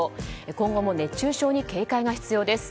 今後も熱中症に警戒が必要です。